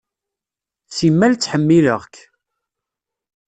Simmal ttḥemmileɣ-k.